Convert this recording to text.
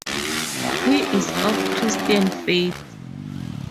He is of Christian faith.